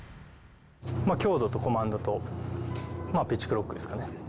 強度とコマンドと、ピッチクロックですかね。